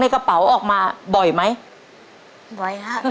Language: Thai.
และตัวเลือกที่สี่๓๓๕ตารางกิโลเมตร